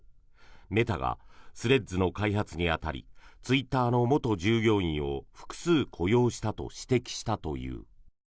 メタがスレッズの開発に当たりツイッターの元従業員を複数雇用したと指摘したという。